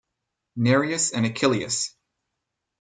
Nereus and Achilleus.